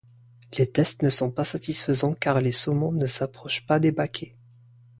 Les tests ne sont pas satisfaisants car les saumons ne s’approchent pas des baquets.